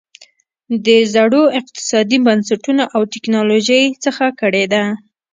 د زړو اقتصادي بنسټونو او ټکنالوژۍ څخه کړېده.